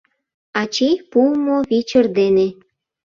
Ачий пуымо вичыр дене